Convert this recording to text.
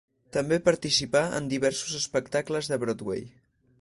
També participà en diversos espectacles de Broadway.